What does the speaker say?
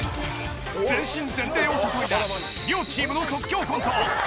全身全霊を注いだ両チームの即興コント